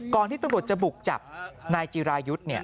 ก่อนที่ตำรวจจะบุกจับนายจิรายุทธิ์เนี่ย